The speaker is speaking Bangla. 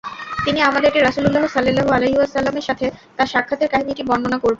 তিনি আমাদেরকে রাসূলুল্লাহ সাল্লাল্লাহু আলাইহি ওয়াসাল্লামের সাথে তাঁর সাক্ষাতের কাহিনীটি বর্ণনা করবেন।